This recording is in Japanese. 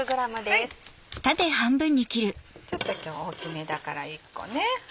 ちょっと今日大きめだから１個ね。